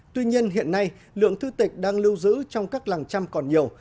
tuy nhiên hiện nay lượng thư tịch đang lưu giữ trong các làng trăm còn nhiều